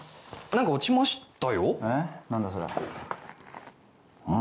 何か落ちましたよえっ？